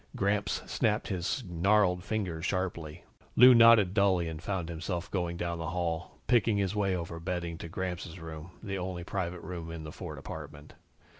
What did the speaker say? Gramps snapped his gnarled fingers sharply. Lou nodded dully and found himself going down the hall, picking his way over bedding to Gramps' room, the only private room in the Ford apartment.